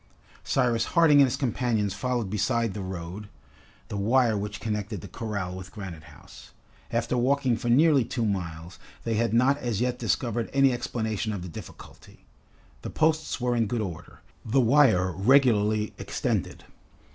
Cyrus Harding and his companions followed beside the road the wire which connected the corral with Granite House. After walking for nearly two miles, they had not as yet discovered any explanation of the difficulty. The posts were in good order, the wire regularly extended.